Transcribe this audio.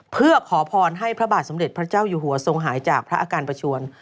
เพื่อขอพรให้พระบาทสมเด็จพระเจ้าอยู่หัวทรงหายจากพระอาการประชวน